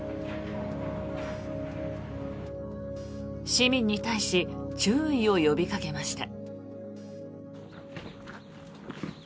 市民に対し注意を呼びかけました。